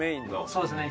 そうですね。